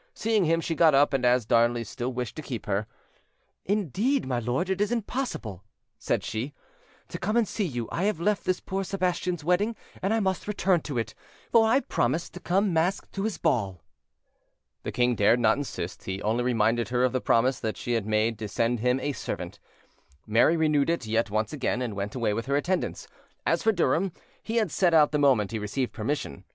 Seeing him, she got up, and as Darnley still wished to keep her— "Indeed, my lord, it is impossible," said she, "to come and see you. I have left this poor Sebastian's wedding, and I must return to it; for I promised to came masked to his ball." The king dared not insist; he only reminded her of the promise that she had made to send him a servant: Mary renewed it yet once again, and went away with her attendants. As for Durham, he had set out the moment he received permission.